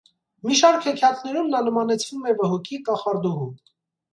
Մի շարք հեքիաթներում նա նմանեցվում է վհուկի, կախարդուհու։